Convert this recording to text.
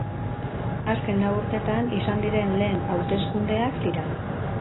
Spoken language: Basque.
Azken lau urtetan izan diren lehen hauteskundeak dira.